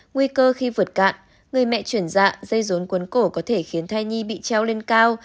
nguy cơ khi vượt cạn người mẹ chuyển dạ dây rốn quấn cổ có thể khiến thai nhi bị treo lên cao